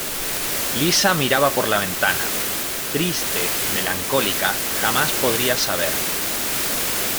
Lisa miraba por la ventana, triste y melancólica jamás podría saber